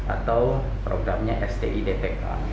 atau programnya sti dtk